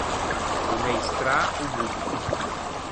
O meistrâ o boffa.